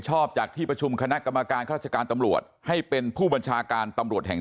ชอบจากที่ประชุมคณะกรรมการราชการตำรวจให้เป็นผู้บัญชาการตำรวจแห่ง